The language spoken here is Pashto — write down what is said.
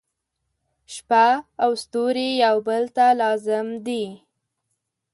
• شپه او ستوري یو بل ته لازم دي.